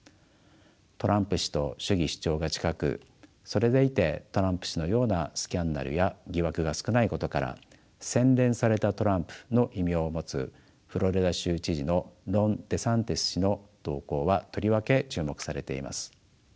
トランプ氏と主義主張が近くそれでいてトランプ氏のようなスキャンダルや疑惑が少ないことから洗練されたトランプの異名を持つフロリダ州知事のロン・デサンティス氏の動向はとりわけ注目されています。